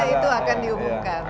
itu akan diumumkan